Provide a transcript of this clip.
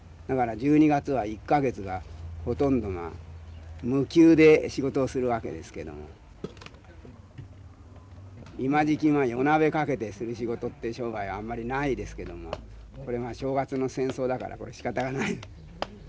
だから１２月は１か月がほとんどが無休で仕事をするわけですけれども今時期は夜なべかけてする仕事って商売あんまりないですけどもこれが正月の戦争だからこれしかたがない。